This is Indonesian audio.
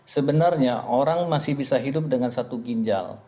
sebenarnya orang masih bisa hidup dengan satu ginjal